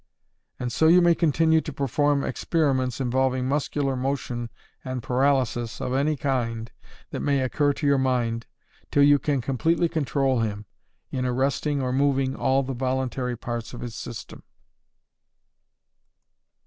_ And so you may continue to perform experiments involving muscular motion and paralysis of any kind that may occur to your mind, till you can completely control him, in arresting or moving all the voluntary parts of his system.